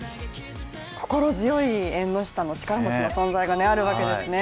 心強い縁の下の力持ちの存在があるわけですね